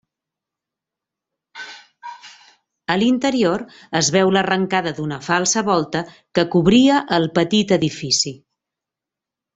A l'interior es veu l'arrencada d'una falsa volta, que cobria el petit edifici.